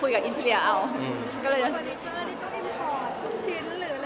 คุยกับอินเทียร์เอาอืมต้องอินพอร์ตทุกชิ้นหรืออะไร